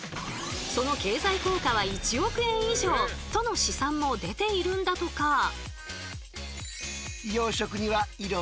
その経済効果は１億円以上との試算も出ているんだとか。